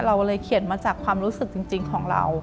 เราเลยเขียนมาจากความรู้สึกจริงของเรา